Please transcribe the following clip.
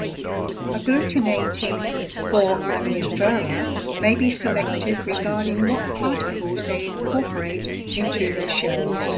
Agglutinating foraminifera may be selective regarding what particles they incorporate into their shells.